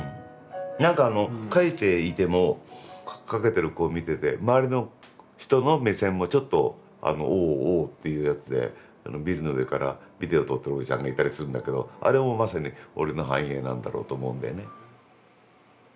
何か描いていても駆けてる子を見てて周りの人の目線もちょっと「おお」っていうやつでビルの上からビデオ撮ってるおじさんがいたりするんだけどあれもうまさに俺の反映なんだろうと思うんだよね。